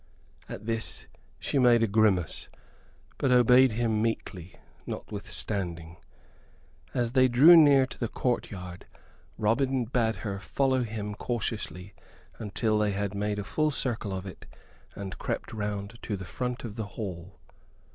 At this she made a grimace, but obeyed him meekly, notwithstanding. As they drew near to the courtyard, Robin bade her follow him cautiously until they had made a full circle of it, and crept round to the front of the hall.